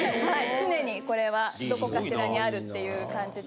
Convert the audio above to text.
常にこれはどこかしらにあるっていう感じで。